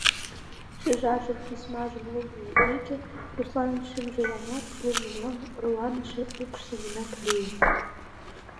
Шӱжаржын письмажым лудын лекмеке, Русланын шӱмжыланат лум йымалне орланыше укш семынак лие.